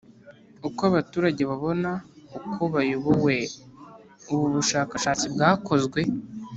Uko Abaturage Babona Uko Bayobowe Ubu Bushakashatsi Bwakozwe